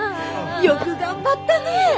よく頑張ったね！